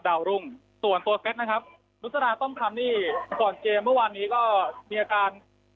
รุ่งส่วนตัวเซ็ตนะครับนุษฎาต้อมคำนี่ก่อนเกมเมื่อวานนี้ก็มีอาการ